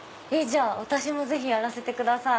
私もぜひやらせてください。